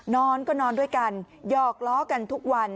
นอนก็นอนด้วยกันหยอกล้อกันทุกวัน